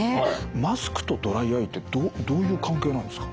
マスクとドライアイってどういう関係なんですか？